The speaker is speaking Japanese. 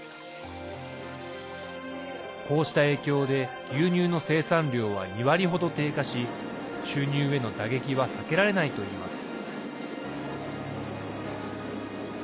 こうした影響で牛乳の生産量は２割ほど低下し収入への打撃は避けられないといいます。